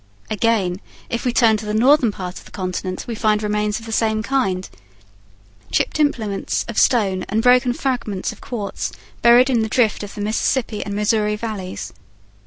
Again, if we turn to the northern part of the continent we find remains of the same kind, chipped implements of stone and broken fragments of quartz buried in the drift of the Mississippi and Missouri valleys.